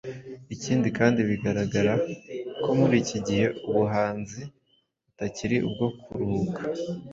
Ikindi kandi bigaragara ko muri iki gihe ubuhanzi butakiri ubwo kuruhuka